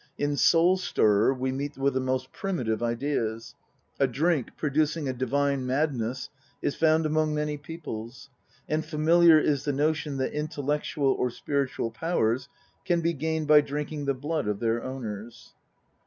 In Soul stirrer we meet with the most primitive ideas : a drink producing a divine madness is found among many peoples, and familiar is the notion that intellectual or spiritual powers can be gained by drinking the blood of their owners.